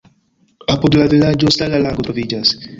Apud la vilaĝo sala lago troviĝas.